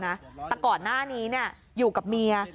แต่ก่อนหน้านี้อยู่กับเมีย